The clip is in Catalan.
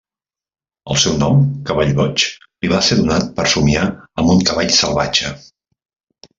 El seu nom, Cavall Boig, li va ser donat per somiar amb un cavall salvatge.